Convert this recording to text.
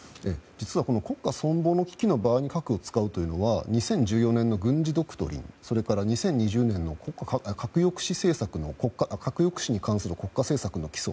実は国家存亡の危機の場合に核を使うというのは２０１４年の軍事ドクトリンそれから２０２０年の核抑止に関する国家政策の基礎